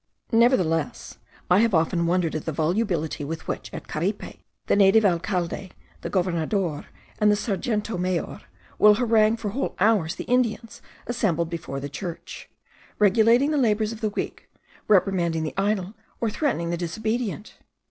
Nevertheless, I have often wondered at the volubility with which, at Caripe, the native alcalde, the governador, and the sergento mayor, will harangue for whole hours the Indians assembled before the church; regulating the labours of the week, reprimanding the idle, or threatening the disobedient.